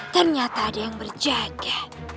ternyata ada yang berjaga